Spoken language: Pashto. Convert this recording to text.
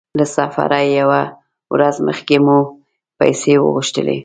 له سفره يوه ورځ مخکې مو پیسې وغوښتلې.